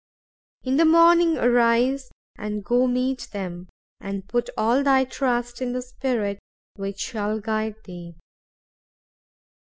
In the morning arise, and go meet them; and put all thy trust in the Spirit which shall guide thee.